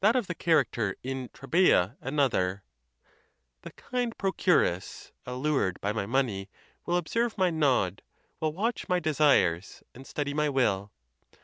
of the character in Trabea another: '' The kind procuress, allured by my money, will observe my nod, will watch my desires, and study my will.